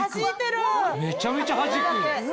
めちゃめちゃはじく！